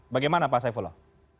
bagaimana pak saifullah